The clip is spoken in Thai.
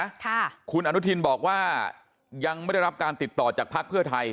ค่ะคุณอนุทินบอกว่ายังไม่ได้รับการติดต่อจากภักดิ์เพื่อไทย